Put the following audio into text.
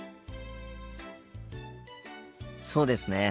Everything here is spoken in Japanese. そうですね。